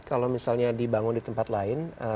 kalau misalnya dibangun di tempat lain